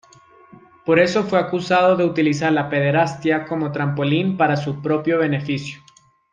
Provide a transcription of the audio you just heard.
Por eso fue acusado de utilizar la pederastia como trampolín para su propio beneficio.